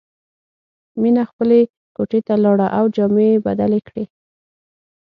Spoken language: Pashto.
مینه خپلې کوټې ته لاړه او جامې یې بدلې کړې